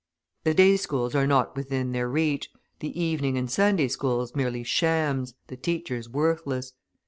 The day schools are not within their reach, the evening and Sunday schools mere shams, the teachers worthless.